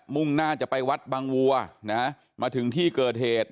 ่งหน้าจะไปวัดบางวัวนะมาถึงที่เกิดเหตุ